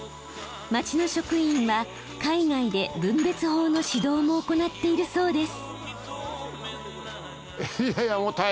町の職員は海外で分別法の指導も行っているそうです。